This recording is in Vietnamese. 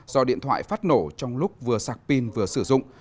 do điện thoại phát nổ trong lúc vừa sạc pin vừa sử dụng